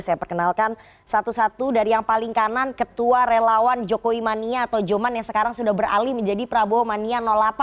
saya perkenalkan satu satu dari yang paling kanan ketua relawan jokowi mania atau joman yang sekarang sudah beralih menjadi prabowo mania delapan